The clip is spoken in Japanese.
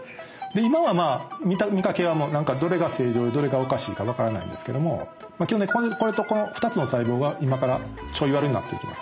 今は見かけはどれが正常でどれがおかしいか分からないんですけどもこれとこの２つの細胞が今からちょいワルになっていきます。